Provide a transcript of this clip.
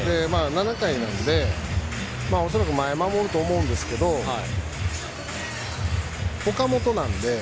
７回なので恐らく前に守ると思いますが岡本なので。